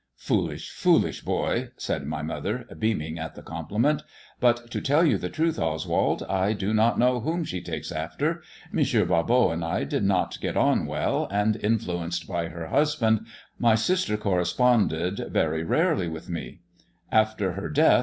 " Foolish, foolish boy," said my mother, beaming at the compliment ;" but to tell you the truth, Oswald, I do not know whom she takes after. M. Barbot and I did not get on well, and, influenced by her husband, my sister corre sponded but rarely with me. After her death M.